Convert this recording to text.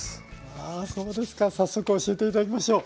あそうですか早速教えて頂きましょう。